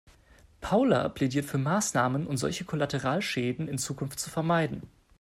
Paula plädiert für Maßnahmen, um solche Kollateralschäden in Zukunft zu vermeiden.